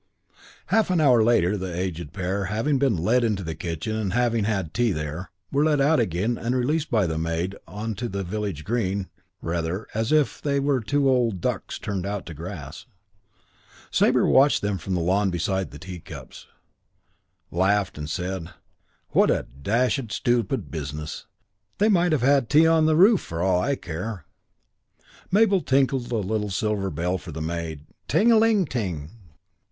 Half an hour later the aged pair, having been led into the kitchen and having had tea there, were led out again and released by the maid on to the village Green rather as if they were two old ducks turned out to grass. Sabre, watching them from the lawn beside the teacups, laughed and said, "What a dashed stupid business. They might have had tea on the roof for all I care." Mabel tinkled a little silver bell for the maid. _Ting a ling ting!